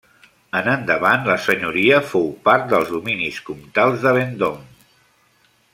En endavant la senyoria fou part dels dominis comtals de Vendôme.